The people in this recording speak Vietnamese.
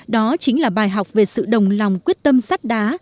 đó chính là bài học về sự đồng lòng quyết tâm sắt đá